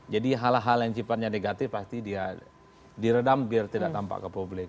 jadi hal hal yang cipatnya negatif pasti dia diredam biar tidak tampak ke publik